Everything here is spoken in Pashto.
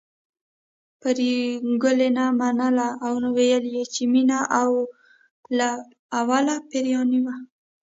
پري ګلې نه منله او ويل يې چې مينه له اوله پيريانۍ وه